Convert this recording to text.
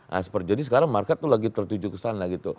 nah seperti jadi sekarang market tuh lagi tertuju kesana gitu